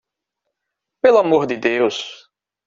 Pelo amor de Deus